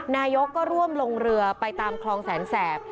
นายกก็ร่วมลงเรือไปตามคลองแสนแสบ